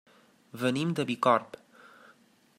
Venim de Bicorb.